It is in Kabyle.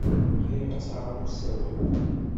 Ɣriɣ-as ɣer usawal.